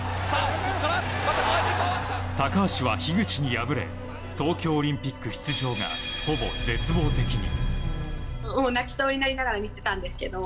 高橋は樋口に敗れ東京オリンピック出場がほぼ絶望的に。